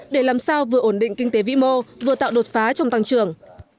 để làm sao vừa ổn định kinh tế vĩ mô vừa tạo đột phá trong tăng trưởng